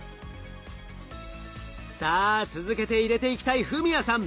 さあ続けて入れていきたい史哉さん。